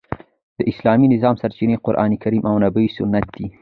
د اسلامي نظام سرچینې قران کریم او نبوي سنت دي.